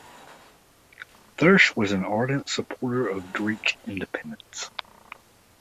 Thiersch was an ardent supporter of Greek independence.